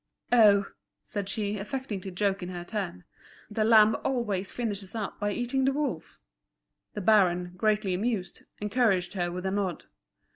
"Oh," said she, affecting to joke in her turn, "the lamb always finishes up by eating the wolf." The baron, greatly amused, encouraged, her with a nod.